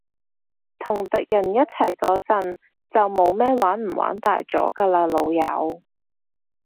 同敵人一齊嗰陣，就冇咩玩唔玩大咗㗎喇，老友